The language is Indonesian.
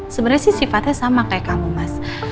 sebenarnya sih sifatnya sama kayak kamu mas